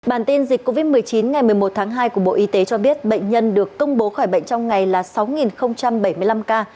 bản tin dịch covid một mươi chín ngày một mươi một tháng hai của bộ y tế cho biết bệnh nhân được công bố khỏi bệnh trong ngày là sáu bảy mươi năm ca